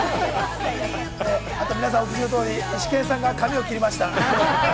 あと皆さんお気づきの通りイシケンさんが髪を切りました。